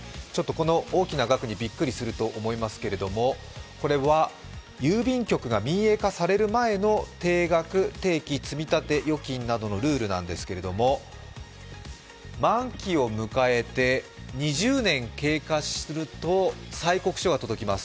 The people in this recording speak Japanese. この大きな額にびっくりすると思いますけれども、これは郵便局が民営化される前の定額・定期積立などのルールなんですけれども、満期を迎えて２０年経過すると、催告書が届きます。